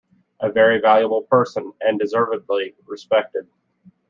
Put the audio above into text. A very valuable person, and deservedly respected.